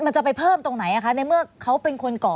จะไปเพิ่มตรงไหนในเมื่อเขาเป็นคนก่อ